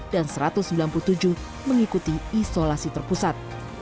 dan satu ratus sembilan puluh tujuh mengikuti isolasi terpusat